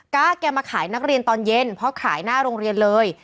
แกมาขายนักเรียนตอนเย็นเพราะขายหน้าโรงเรียนเลย